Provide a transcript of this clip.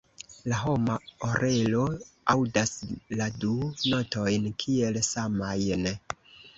La homa orelo aŭdas la du notojn kiel samajn.